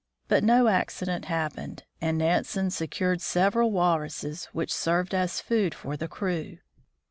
But no accident happened, and Nansen secured several walruses, which served as food for the crew.